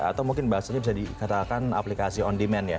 atau mungkin bahasanya bisa dikatakan aplikasi on demand ya